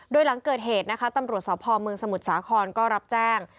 โดยหลังเกิดเหตุนะคะตำรวจสพเมืองสมุทรสาครก็รับแจ้ง